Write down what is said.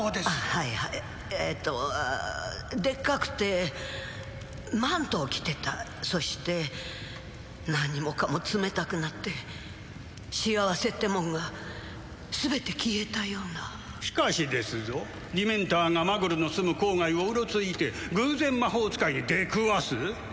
はいはいえっとでっかくてマントを着てたそして何もかも冷たくなって幸せってもんが全て消えたようなしかしですぞディメンターがマグルの住む郊外をうろついて偶然魔法使いに出くわす？